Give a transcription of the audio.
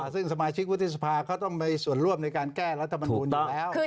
ซึ่งสมาชิกวุฒิสภาเขาต้องมีส่วนร่วมในการแก้รัฐมนูลอยู่แล้ว